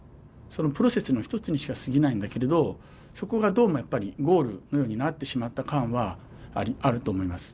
そのプロセスの一つにしかすぎないんだけれどそこがどうもやっぱりゴールのようになってしまった感はあると思います。